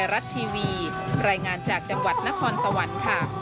รายงานจากจังหวัดนครสวรรค์